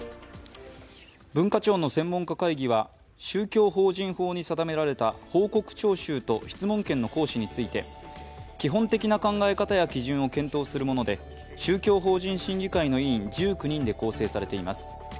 文化庁の専門家会議は宗教法人法に定められた報告徴収は質問権の行使について基本的な考え方や基準を検討するもので宗教法人審議会の委員、１９人で構成されています。